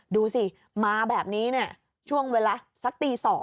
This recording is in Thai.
ดูสิมาแบบนี้เนี่ยช่วงเวลาสักตี๒